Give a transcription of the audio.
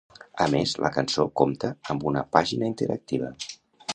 A més, la cançó compta amb una pàgina interactiva.